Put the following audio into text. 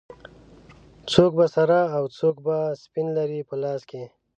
څوک به سره او څوک به سپین لري په لاس کې